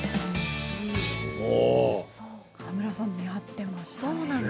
川村さん似合っていました。